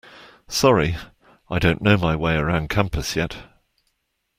Sorry, I don't know my way around campus yet.